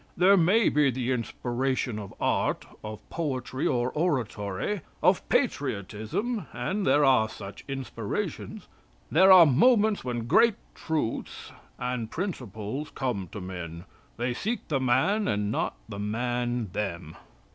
"There maybe the inspiration of art, of poetry, or oratory; of patriotism and there are such inspirations. There are moments when great truths and principles come to men. They seek the man and not the man them."